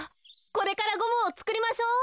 これからゴムをつくりましょう。